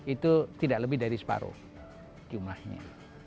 itu tidak lebih dari separuh jumlahnya